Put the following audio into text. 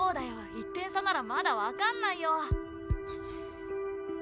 １点差ならまだ分かんないよ。